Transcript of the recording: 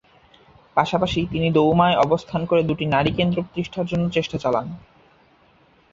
পাশাপাশি তিনি দৌমায় অবস্থান করে দু'টি নারী কেন্দ্র প্রতিষ্ঠার জন্য চেষ্টা চালান।